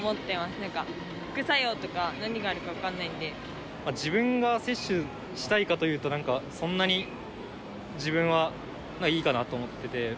なんか副作用とか、何があるか分自分が接種したいかというと、なんかそんなに、自分はいいかなと思ってて。